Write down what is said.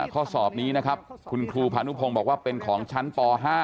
ข้อสอบนี้นะครับคุณครูพานุพงศ์บอกว่าเป็นของชั้นป๕